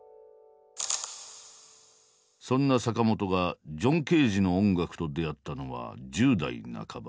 そんな坂本がジョン・ケージの音楽と出会ったのは１０代半ば。